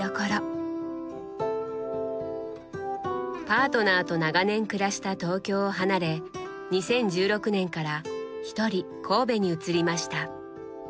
パートナーと長年暮らした東京を離れ２０１６年からひとり神戸に移りました。